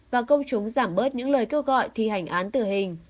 và công chúng giảm bớt những lời kêu gọi thi hành án tử hình